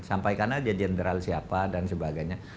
sampaikan aja jenderal siapa dan sebagainya